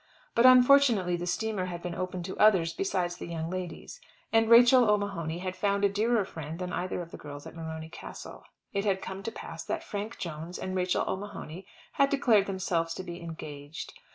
But unfortunately the steamer had been open to others besides the young ladies, and Rachel O'Mahony had found a dearer friend than either of the girls at Morony Castle. It had come to pass that Frank Jones and Rachel O'Mahony had declared themselves to be engaged.